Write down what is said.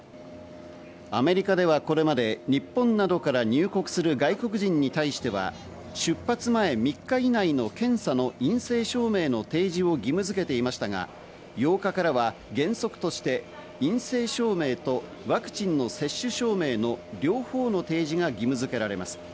アメリカではこれまで日本などから入国する外国人に対しては出発前、３日以内の検査の陰性証明の提示を義務付けていましたが、８日からは原則として陰性証明とワクチンの接種証明の両方の提示が義務付けられます。